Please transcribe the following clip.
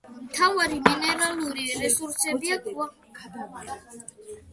მთავარი მინერალური რესურსებია: ქვანახშირი, სპილენძის, ნიკელის, კობალტის და ოქროს საბადოები, ალმასები.